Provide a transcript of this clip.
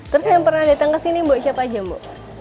terus yang pernah datang ke sini mbo siapa aja mbak